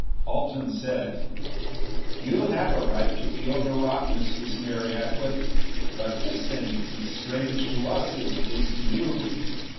Alten said, "You have a right to be overwrought, Mistress Mary Atwood. But this thing is as strange to us as it is to you.